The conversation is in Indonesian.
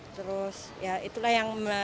terus ya itulah yang